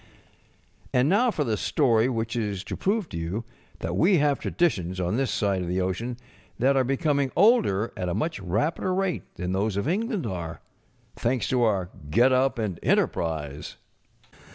And now for the story which is to prove to you that we have traditions on this side of the ocean that SO Two Thanksgiving Day Gentlemen 51 are becoming older at a much rapider rate than those of England arc ŌĆö thanks to our git up and enter┬¼ prise.